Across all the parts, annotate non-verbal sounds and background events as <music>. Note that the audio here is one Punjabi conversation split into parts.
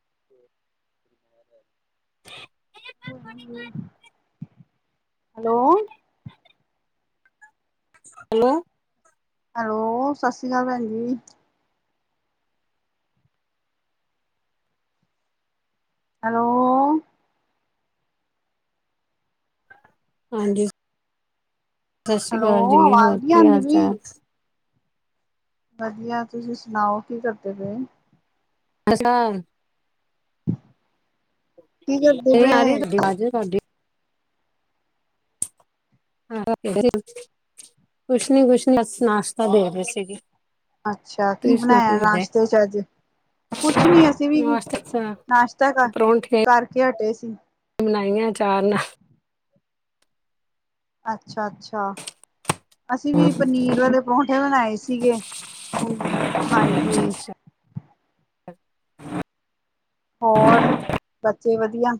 <unintelligible> <unintelligible> ਹੈਲੋ। ਹੈਲੋ। ਹੈਲੋ ਸਤਿ ਸ੍ਰੀ ਅਕਾਲ ਭੈਣ ਜੀ। ਹੈਲੋ। ਹਾਂਜੀ। ਸਤਿ ਸ੍ਰੀ ਹੈਲੋ, ਅਕਾਲ ਜੀ, ਹੋਰ ਆਵਾਜ਼ ਨੀ ਕੀ ਆਂਦੀ ਹਾਲ ਪਈ? ਚਾਲ? ਵਧੀਆ, ਤੁਸੀਂ ਸੁਣਾਓ ਕੀ ਕਰਦੇ ਪਏ? ਅਸਾ ਹੋਰ ਕੀ ਕਰੀ ਜਾ ਕਰਦੇ ਰਹੇ, ਆ ਪਏ? ਰਹੀ ਤੁਹਾਡੀ ਆਵਾਜ਼ ਤੁਹਾਡੀ ਹਾਂ, ਕੁਛ ਨੀ ਕੁਛ ਨੀ, ਬਸ ਨਾਸ਼ਤਾ ਦੇ ਰਹੇ ਸੀਗੇ। ਅੱਛਾ ਕੀ ਤੁਸੀਂ ਸੁਣਾਓ ਬਣਾਇਆ ਕਰਦੇ ਨਾਸ਼ਤੇ ਚ ਅੱਜ, ਕੁਛ ਨੀ ਅਸੀਂ ਵੀ, ਨਾਸ਼ਤਾ ਨਾਸ਼ਤਾ ਕਰ ਪਰੌਂਠੇ ਕਰਕੇ ਹਟੇ ਸੀ। ਬਣਾਈਆਂ ਅਚਾਰ ਨਾਲ ਅੱਛਾ-ਅੱਛਾ। ਅਸੀਂ ਵੀ ਪਨੀਰ ਵਾਲੇ ਪਰੌਠੇ ਬਣਾਏ ਸੀਗੇ, ਹਾ ਅੱਛਾ ਹਾਂਜੀ। ਅੱਛਾ <unintelligible> ਹੋਰ, ਬੱਚੇ ਵਧੀਆ?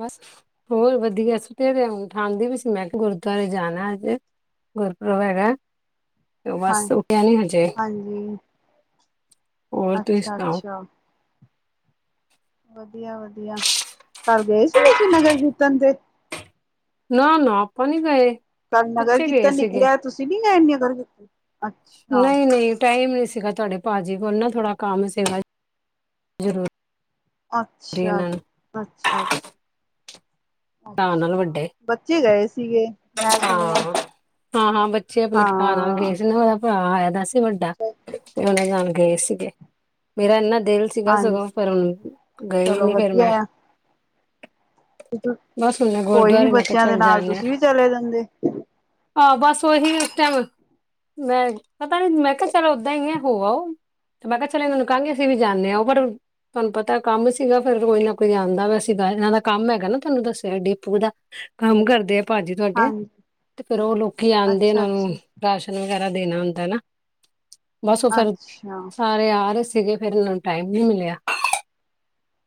ਬਸ ਹੋਰ ਵਧੀਆ? ਸੁੱਤੇ ਪਏ ਹੋਏ, ਉਠਾਂਦੀ ਪਈ ਸੀ, ਮੈਂ ਕਿਹਾ ਗੁਰੂਦੁਆਰੇ ਜਾਣਾ ਅੱਜ ਗੁਰਪੁਰਬ ਹੈਗਾ। ਹਾਂ, ਬਸ ਉਠਿਆ ਨੀ ਹਜੇ। ਹੋਰ ਤੁਸੀਂ ਅੱਛਾ- ਸੁਣਾਓ ਅੱਛਾ। ਵਧੀਆ -ਵਧੀਆ। ਕੱਲ ਗਏ ਸੀ, ਤੁਸੀਂ ਨਗਰ ਕੀਰਤਨ ਤੇ? ਨਾ, ਨਾ, ਆਪਾਂ ਨੀ ਗਏ। ਕੱਲ ਨਗਰ ਬੱਚੇ ਗਏ -ਕੀਰਤਨ ਸੀਗੇ ਨਿਕਲਿਆ, ਤੁਸੀਂ ਨੀ ਗਏ ਨਗਰ ਕੀਰਤਨ, ਅੱਛਾ। ਨਹੀਂ ਨਹੀਂ ਟਾਈਮ ਨਹੀਂ ਸੀਗਾ, ਤੁਹਾਡੇ ਭਾਜੀ ਕੋਲ ਨਾ, ਥੋੜਾ ਕੰਮ ਸੀਗਾ ਜਰੂਰ ਅੱਛਾ- ਅੱਛਾ, ਅੱਛਾ। ਭਰਾ ਨਾਲ ਅੱਛਾ। ਵੱਡੇ ਬੱਚੇ ਗਏ ਸੀਗੇ, ਮੈਂ ਸੁਣਿਆ, ਹਾਂ ਹਾਂ ਹਾਂ ਬੱਚੇ ਆਪਣੇ ਭਰਾ ਨਾਲ ਗਏ ਹਾਂ। ਸੀ ਨਾ ਉਹਦਾ ਭਰਾ ਆਇਆ ਦਾ ਵੱਡਾ ਉਹਦੇ ਨਾਲ ਗਏ ਸੀਗੇ, ਮੇਰਾ ਇੰਨਾ ਦਿਲ ਸੀਗਾ, ਹਾਂਜੀ ਸਗੋਂ ਪਰ ਹੁਣ ਗਏ ਵੀ ਚਲੋ ਨੀ ਫੇਰ ਵਧੀਆ ਮੈਂ ਆ ਬਸ ਹੁਣ ਕੋਈ ਨੀ, ਗੁਰਦੁਆਰੇ ਮੈਂ ਕਿਹਾ ਬੱਚਿਆਂ ਦੇ ਚੱਲ ਨਾਲ ਤੁਸੀਂ ਵੀ ਚਲੇ ਜਾਂਦੇ। ਆਹੋ ਬਸ ਉਹੀ ਉਸ ਟਾਈਮ, ਮੈਂ ਪਤਾ ਨੀ ਮੈਂ ਕਿਹਾ ਚਲ ਉਦਾਂ ਹੀ ਹੈ ਹੋ ਆਉ, ਮੈਂ ਕਿਹਾ ਚਲ ਇਹਨਾਂ ਨੂੰ ਕਹਾਂਗੇ ਅਸੀਂ ਵੀ ਜਾਣੇ ਆ, ਉਹ ਪਰ ਤੁਹਾਨੂੰ ਪਤਾ ਕੰਮ ਸੀਗਾ ਫਿਰ ਕੋਈ ਨਾ ਕੋਈ ਆਉਂਦਾ, ਵੈਸੇ ਤਾਂ ਇਹਨਾਂ ਦਾ ਕੰਮ ਹੈਗਾ ਨਾ। ਤੁਹਾਨੂੰ ਦੱਸਿਆ ਡੀਪੂ ਦਾ ਕੰਮ ਕਰਦੇ ਆ ਭਾਜੀ ਤੁਹਾਡੇ ਹਾਂਜੀ ਤੇ, ਫੇਰ ਉਹ ਲੋਕੀ ਆਉਂਦੇ ਨੇ, ਅੱਛਾ ਉਹਨਾਂ ਨੂੰ ਅੱਛਾ ਰਾਸ਼ਨ ਵਗੈਰਾ ਦੇਣਾ ਹੁੰਦਾ ਨਾ। ਬਸ ਉਹ ਫੇਰ, ਅੱਛਾ ਸਾਰੇ ਆ ਰਹੇ ਸੀ। ਸੀਗੇ ਫੇਰ, ਓਹਨਾ ਨੂੰ ਟਾਈਮ ਨੀ ਮਿਲਿਆ।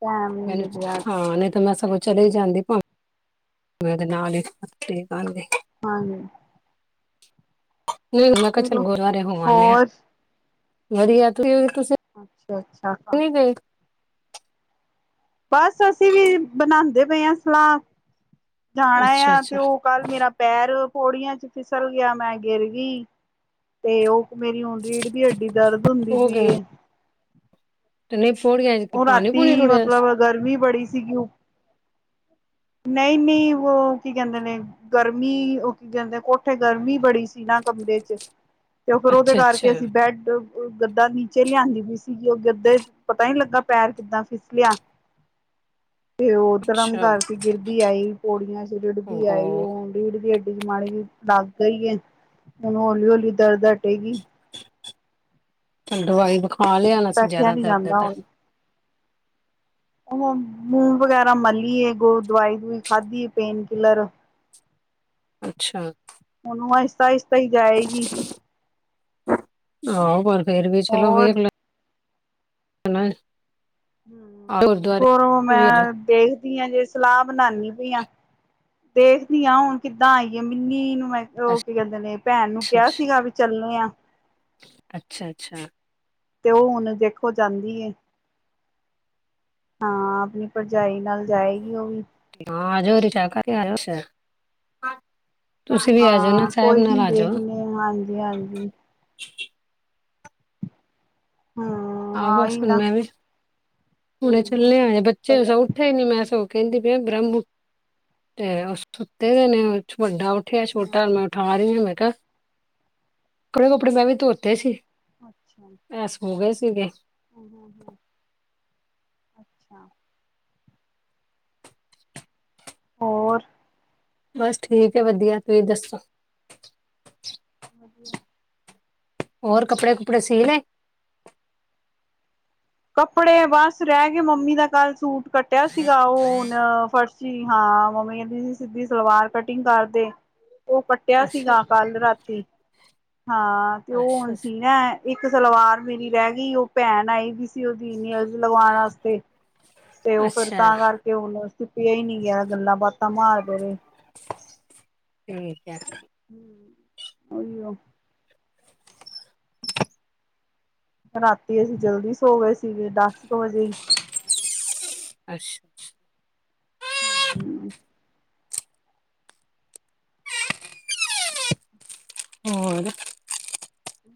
ਟੈਮ ਨੀ ਮੈਨੂੰ ਮਿਲਿਆ ਅੱਛਾ ਹਾਂ-ਨਹੀਂ ਤਾਂ, ਮੈਂਸ ਕੁਛ ਚਲੇੇ ਜਾਂਦੇ ਪਾ ਮੈਂ, ਤੇ, ਨਾਲ ਹੀ ਠੀਕ ਆਂਦੇ ਹਾਂਜੀ। ਨਹੀਂ ਮੈਂ ਕਿਹਾ, ਚੱਲ ਚਲੋ ਗੁਰਦਆਰੇ ਹੋ ਆਂਨੇ ਆ। ਹੋਰ ਵਧੀਆ ਤੁ ਅੱਛਾ। ਅੱਛਾ-ਅੱਛਾ। ਬਸ ਅਸੀਂ ਵੀ, ਬਣਾਂਦੇ ਪਏ ਹਾਂ, ਸਲਾਹ। ਜਾਣਾ ਅੱਛਾ ਆ, ਤੇ, ਅੱਛਾ ਉਹ ਕੱਲ ਮੇਰਾ ਪੈਰ ਪੋੜੀਆਂ'ਚ ਫਿਸਲ ਗਿਆ। ਮੈਂ, ਗਿਰ ਗਈ ਤੇ, ਉਹ ਮੇਰੀ ਹੁਣ ਰੀੜ ਦੀ ਹੱਡੀ ਦਰਦ ਹੁੰਦੀ ਉਹ ਪਈ ਗਏ ਇਹ ਤੇ ਨਹੀਂ ਪੌੜੀਆਂ ਚ ਉਹ, ਪਾਣੀ ਪੂਣੀ ਰਾਤੀ ਰੁੜਿਆ ਸੀ ਮਤਲਬ ਗਰਮੀ ਬੜੀ ਸੀਗੀ, ਉਹ ਨਈਂ ਨਈਂ ਵੋ ਕੀ ਕਹਿੰਦੇ ਨੇਂ, ਗਰਮੀ ਉਹ ਕੀ ਕਹਿੰਦੇ ਕੋਠੇ ਗਰਮੀ ਬੜੀ ਸੀ ਨਾਂ ਕਮਰੇ ਚ। ਤੇ ਉਹ ਫਿਰ ਉਹਦੇ ਅੱਛਾ ਅੱਛਾ ਕਰਕੇ ਅਸੀਂ ਬੈੱਡ ਉਹ ਗੱਦਾ ਨੀਚੇ ਲਿਆਂਦੀ ਪਈ ਸੀਗੀ ਉਹ ਗੱਦੇ ਪਤਾ ਨੀ ਲੱਗਾ ਪੈਰ ਕਿੱਦਾਂ ਫਿਸਲਿਆ। ਤੇ ਉਧਰਮ ਅੱਛਾ ਕਰ ਗਿਰਦੀ ਆਈ ਪੌੜੀਆਂ ਚ ਰਿੜਦੀ ਆਈ ਓਹੋ ਉਹ ਰੀੜ ਦੀ ਹੱਡੀ ਚ ਮਾੜੀ ਜੀ ਲਗ ਸਹੀ ਏ ਹੁਣ ਹੌਲੀ-ਹੌਲੀ ਦਰਦ ਹਟੇਗੀ। <unintelligible> ਦਵਾਈ ਵਖ ਹਾਂ, ਲਿਆਣਾ ਸੀ ਬੈਠਿਆ ਜ਼ਿਆਦਾ ਨੀ ਦਰਦ ਜਾਂਦਾ ਐਤਾਂ। ਹੁਣ ਉਹ ਮੂਵ ਵਗੈਰ੍ਹਾ ਮਲੀਐ, ਬਣ ਗੋ ਦਵਾਈ-ਦਵੂਈ ਖਾਧੀਏ ਪੇਨ ਕਿਲਰ ਅੱਛਾ। ਹੁਣ ਆਈ ਸਤਾ ਸਤ ਤਾਂ ਹੀ ਜਾਏਗੀ। ਹਾਂ ਪਰ ਫੇਰ ਵੀ ਚਲੋ ਹੋਰ ਵੇਖ ਲ ਹਨਾਂ। ਹਂ, ਹੋਰ ਵੀ ਆ ਜਾਓ ਮੈਂ ਦੇਖ ਦੀਆਂ ਜੇ ਸਲਾਹ ਬਣਾਉਣੀ ਪਈਆਂ ਦੇਖਦੀਆਂ ਹੁਣ ਕਿੱਦਾਂ ਆਈਏ, ਮਿੰਨੀ ਨੂੰ ਮੈਂ ਉਹ ਕੀ ਕਹਿੰਦੇ ਨੇਂ ਭੈਣ ਨੂੰ ਅੱਛਾ ਕਿਆ ਅੱਛਾ ਸੀਗਾ ਵੀ ਚੱਲੇ ਆਂ। ਅੱਛਾ ਅੱਛਾ। ਤੇ ਉਹ ਹੁਣ ਦੇਖੋ ਜਾਂਦੀ ਐ, ਹਾਂ ਆਪਣੀ ਭਰਜਾਈ ਨਾਲ ਜਾਏਗੀ ਉਹ ਵੀ ਆਜੋ ਰੀਕਸਾ਼ ਕਰਕੇ ਆਜੋ <unintelligible> ਹਾਂ, ਕੋਈ ਨੀ ਦੇਖਣੇ, ਹਾਂਜੀ, ਹਾਂਜੀ। ਆਹੋ ਹਾਂ ਬਸ ਆਹੀ ਹੁਣ ਨਾ ਮੈਂ ਵੀ ਹੁਣੇ ਕੋਈ ਨੀ ਚੱਲੇ ਆ ਅਜੇ ਬੱਚੇ ਸਗੋਂ ਉੱਠੇ ਨੀਂ ਮੈਂ ਸਗੋ ਕਹਿੰਦੀ ਪਈ ਆ ਬ੍ਰਹਮੁ ਬ <unintelligible> ਤੇ ਸੁੱਤੇ ਪਏ ਨੇ ਵੱਡਾ ਉੱਠਿਆ ਛੋਟਾ ਹਾਂ ਮੈਂ ਉਠਾ ਰਹੀ ਆ ਮੈਂ ਕਿਆ ਕਪੜੇ ਕੁੱਪੜੇ ਮੈਂ ਵੀ ਧੋਤੇ ਸੀ। ਅੱਛਾ। ਸੋ ਗਏ ਠੀਕ ਐ। ਅੱਛਾ। ਹੋਰ ਬਸ ਠੀਕ ਐ, ਵਧੀਆ ਤੁਸੀਂ ਦੱਸੋ। ਵਧੀਆ। ਹੋਰ ਕੱਪੜੇ ਕੁਪੜੇ ਸੀ ਲਏ। ਕੱਪੜੇ ਬਸ ਰਹਿ ਗਏ ਮੰਮੀ ਦਾ ਕੱਲ੍ਹ ਸੂਟ ਕੱਟਿਆ ਸੀਗਾ ਉਹ ਫਰਸ਼ੀ, ਹਾਂ ਮੰਮੀ ਕਹਿੰਦੀ ਸੀ ਸਿੱਧੀ ਸਲਵਾਰ ਕਟਿੰਗ ਕਰਦੇ। ਉਹ ਕੱਟਿਆ ਅੱਛਾ ਸੀਗਾ ਕੱਲ ਰਾਤੀ, ਹਾਂ ਤੇ ਉਹ ਅੱਛਾ ਹੁਣ ਅੱਛਾ ਸੀਣਾ ਹੈ। ਇੱਕ ਸਲਵਾਰ ਮੇਰੀ ਰਹਿ ਗਈ, ਉਹ ਭੈਣ ਆਈ ਵੀ ਸੀ- ਤੇ ਉਹਦੀ ਨਿਅਰਸ ਲਗਵਾਉਣ ਵਾਸਤੇ। ਤੇ ਉਹ ਫੇਰ ਅੱਛਾ ਤਾਂ ਕਰਕੇ ਹੁਣ ਸਿਪਿਆ ਹੀ ਨਹੀਂ ਗਿਆ ਗੱਲਾਂ ਬਾਤਾਂ ਮਾਰਦੇ ਰਹੇ। ਠੀਕ ਹੈ। ਹੂੰ, ਉਹੀਓ। ਰਾਤੀਂ ਅਸੀਂ ਜਲਦੀ ਸੌ ਗਏ ਸ- ਸੀਗੇ ਦੱਸ ਕੁ ਵਜੇ ਹੀ। ਅੱਛਾ ਛ। ਹੂੰ। ਹੋਰ।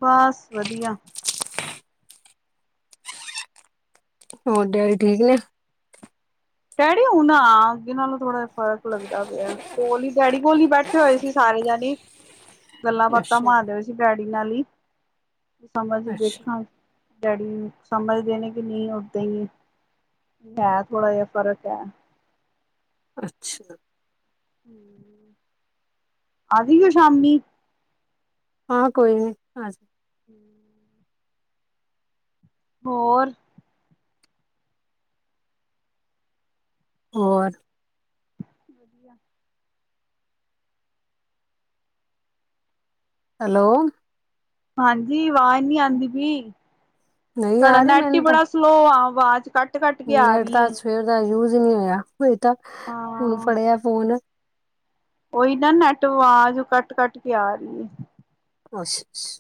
ਬਸ ਵਧੀਆ। ਹੋਰ, ਡੈਡੀ ਠੀਕ ਨੇ। ਡੈਡੀ, ਹੁਣ ਆਂ ਅੱਗੇ ਨਾਲੋਂ ਥੋੜਾ- ਫਰਕ ਲੱਗਦਾ ਪਿਆ। ਕੋਲ ਈ ਡੈਡੀ ਕੋਲ ਹੀ ਬੈਠੇ ਹੋਏ ਸੀ, ਸਾਰੇ ਜਾਣੇ। ਗੱਲਾਂ- ਬਾਤਾਂ ਅੱਛਾ ਮਾਰਦੇ ਪਏ ਸੀ ਬੈਠ- ਡੈਡੀ ਨਾਲ ਹੀ। ਸਮਰ ਚ ਅੱਛਾ ਦੇਖਾਂਗੇ। ਡੈਡੀ ਸਮਝਦੇ ਨੇ ਕਿ ਨਹੀਂ, ਉੱਡਦੇ ਹੀ ਹੈ ਪੈਰ ਥੋੜਾ ਜਿਹਾ ਫਰਕ ਹੈ। ਅੱਛਾ। ਆ ਜਾਈਏ ਸ਼ਾਮੀ। ਹਾਂ, ਕੋਈ ਨੀ ਆਜੋ। ਹੋਰ। ਹੋਰ। ਵਧੀਆ। ਹੈਲੋ, ਹਾਂਜੀ, ਅਵਾਜ਼ ਨਹੀਂ ਆਉਂਦੀ ਪਈ। ਨਹੀਂ ਤੁਹਾਡਾ ਆ ਰਹੀ ਨੈਟ ਹੀ ਮੈਨੂੰ ਤਾਂ ਬੜਾ ਸਲੋਅ ਆ। ਆਵਾਜ਼ ਘੱਟ- ਨੈਟ ਦਾ ਸਵੇਰ ਦਾ ਯੂਜ਼, ਨਹੀਂ ਹੋਇਆ। ਹੋਏ ਤਾਂ ਹੁਣ ਹਾਂ ਫੜਿਆ ਫੋਨ। ਉਹੀ ਨਾ, ਨੈਟ ਅਵਾਜ਼ ਕੱਟ ਕੱਟ ਕੇ ਆ ਰਹੀ ਹੈ। ਅਸ਼ਸ਼-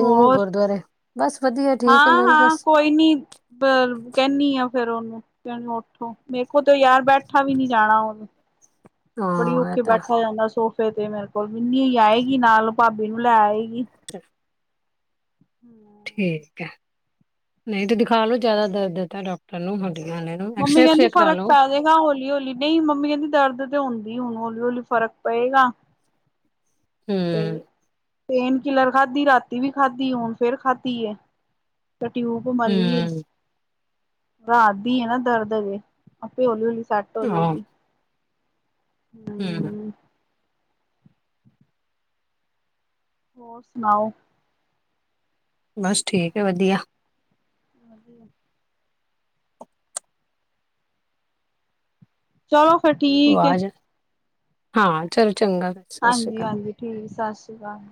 ਹੋਰ, ਬਸ ਵਧੀਆ ਠੀਕ ਹੈ ਹਾਂ- ਮੈਂ ਵੀ ਹਾਂ ਬਸ ਕੋਈ ਨੀ, ਬ ਕੈਨੀ ਆ । ਫੇਰ ਉਹਨੂੰ ਕਹਿਣਾ ਉੱਠੋ ਮੇਰੇ ਕੋਲ ਤੇ ਯਾਰ ਬੈਠਾ ਵੀ ਨੀ ਜਾਣਾ ਹੂੰ। ਬੜੀ ਹਾਂ ਇਹ ਔਖੇ ਤਾਂ ਬੈਠਾ ਜਾਂਦਾ ਸੋ । ਫ਼ਿਰ ਜੇ ਮੇਰੇ ਕੋਲ ਮਿੰਨੀ ਆਏਗੀ ਨਾਲ ਭਾਬੀ ਨੂੰ ਲੈ ਆਏਗੀ। <inaudible> ਹਮ <inaudible> ਠੀਕ ਹੈ ਨਹੀਂ ਤੇ ਦਿਖਾ ਲੋੋ ਜਿਆਦਾ ਦਰਦ ਹੈ ਤਾਂ ਡਾਕਟਰ ਨੂੰ ਹੁਣ। ਮੰਮੀ ਕਹਿੰਦੀ ਫ਼ਰਕ ਪੈ ਜਾਏਗਾ ਹੌਲੀ ਹੌਲੀ ਨਹੀਂ ਮੰਮੀ ਕਹਿੰਦੀ ਦਰਦ। ਹੁੰਦੀ ਹੁਣ ਹੌਲੀ ਹੌਲੀ ਫ਼ਰਕ ਪਏਗਾ। ਤੇ ਹਮ ਪੇਨ ਕਿਲਰ ਖਾਧੀ ਰਾਤੀ ਵੀ ਖਾਧੀ ਹੁਣ ਫੇਰ ਖਾਧੀ ਏ। ਤੇ ਟਿਊਬ ਮਾਲੀ ਏ। ਹੂੰ, ਰਾਤ ਦੀ ਹੈ ਨਾ ਦਰਦ ਅਜੇ ਆਪੇ ਹੌਲੀ ਹੌਲੀ। ਸੈੱਟ ਹੋ ਜਾਏਗੀ। ਹਮ ਹੂੰ ਹੋਰ ਸੁਣਾਓ? ਬਸ ਠੀਕ ਹੈ ਵਧੀਆ। ਹਾਂਜੀ ਚਲੋ ਅੱਛਾ ਠੀਕ ਹੈ। ਆਵਾਜ਼ ਹਾਂ ਚਲ ਹਾਂਜੀ ਹਾਂਜੀ, ਠੀਕ ਸੀ। ਸਤਿ ਸ੍ਰੀ ਅਕਾਲ।